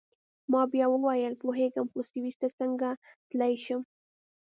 ما بیا وویل: پوهیږم، خو سویس ته څنګه تلای شم؟